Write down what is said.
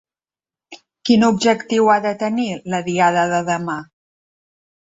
Quin objectiu ha de tenir la Diada de demà?